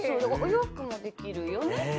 お洋服もできるよね。